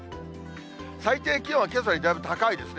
最低気温はけさよりだいぶ高いですね。